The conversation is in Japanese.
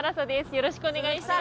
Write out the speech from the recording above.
よろしくお願いします。